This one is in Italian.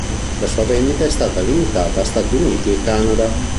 La sua vendita è stata limitata a Stati Uniti e Canada.